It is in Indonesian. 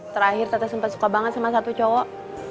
terakhir teteh sempet suka banget sama satu cowok